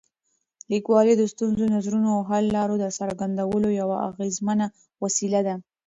لیکوالی د ستونزو، نظرونو او حل لارو د څرګندولو یوه اغېزمنه وسیله ده.